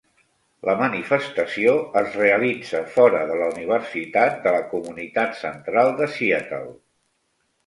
La Manifestació es realitza fora de la Universitat de la comunitat central de Seattle.